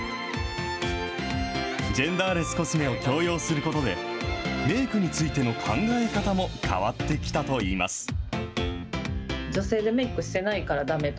ジェンダーレスコスメを共用することで、メークについての考え方も変わってきたといいます。